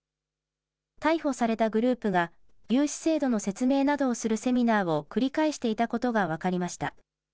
逮捕されたグループが融資制度の説明などをするセミナーを繰り返していたことが分かりました。